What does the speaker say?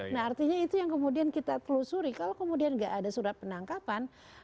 nah artinya itu yang kemudian kita telusuri kalau kemudian nggak ada surat penangkapan